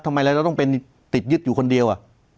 ทำไมเราต้องเป็นติดยึดอยู่คนเดียว